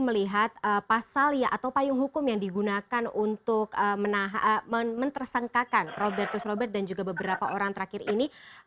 melihat pasal atau payung hukum yang digunakan untuk mentersangkakan robertus robert dan juga beberapa orang terakhir ini